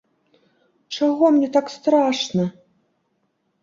Чаго мне так страшна?